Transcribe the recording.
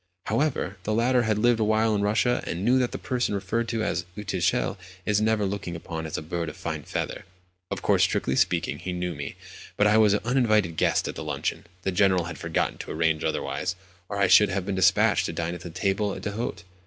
However, the latter had lived awhile in Russia, and knew that the person referred to as an "uchitel" is never looked upon as a bird of fine feather. Of course, strictly speaking, he knew me; but I was an uninvited guest at the luncheon—the General had forgotten to arrange otherwise, or I should have been dispatched to dine at the table d'hôte.